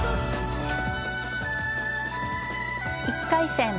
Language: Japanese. １回戦